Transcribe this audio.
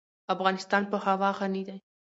افغانستان په هوا غني دی.